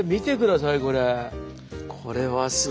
これはすごいわ。